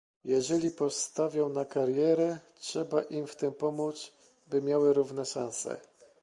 Jeżeli postawią na karierę, trzeba im w tym pomóc, by miały równe szanse